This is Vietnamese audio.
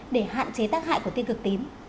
để hạn chế tác hại của tiết cực tím